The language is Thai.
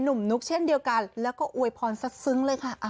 นุ๊กเช่นเดียวกันแล้วก็อวยพรซัดซึ้งเลยค่ะ